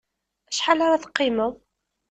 Acḥal ara t-qimeḍ?